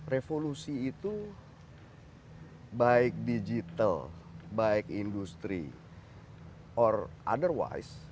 revolusi itu baik digital baik industri or otherwise